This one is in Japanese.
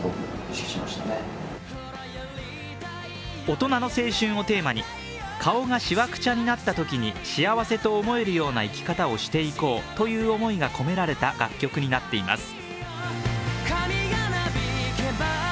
「大人の青春」をテーマに顔がしわくちゃになったときに幸せと思えるような生き方をしていこうという思いが込められた楽曲になっています。